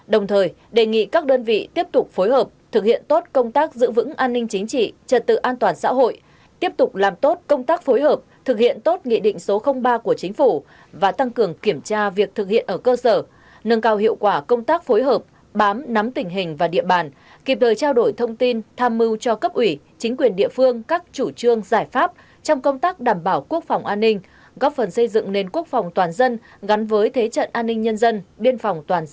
đồng thời đề nghị các đơn vị tiếp tục phối hợp thực hiện tốt công tác giữ vững an ninh chính trị trật tự an toàn xã hội tiếp tục làm tốt công tác phối hợp thực hiện tốt nghị định ba của chính phủ và tăng cường kiểm tra việc thực hiện ở cơ sở nâng cao hiệu quả công tác phối hợp bám nắm tình hình và địa bàn kịp thời trao đổi thông tin tham mưu cho cấp ủy chính quyền địa phương các chủ trương giải pháp trong công tác đảm bảo quốc phòng an ninh góp phần xây dựng nền quốc phòng toàn dân gắn với thế trận an ninh nhân dân biên ph